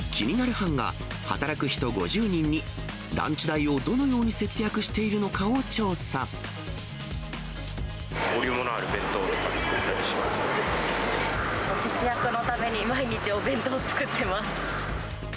班が働く人５０人に、ランチ代をどのように節約しているのかを調ボリュームのある弁当を作っ節約のために、毎日、お弁当を作ってます。